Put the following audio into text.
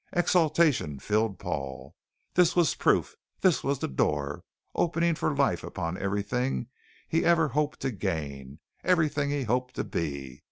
Exultation filled Paul. This was proof. This was the door, opening for life upon everything he ever hoped to gain, everything he hoped to be.